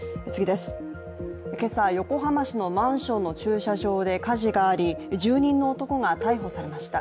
今朝、横浜市のマンションの駐車場で火事があり住人の男が逮捕されました。